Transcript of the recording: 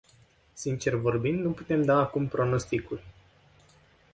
Sincer vorbind, nu putem da acum pronosticuri.